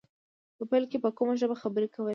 په پيل کې يې په کومه ژبه خبرې کولې.